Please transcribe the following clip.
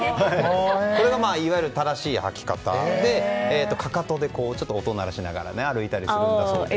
これが、いわゆる正しい履き方でかかとで音を鳴らして歩いたりするんだそうです。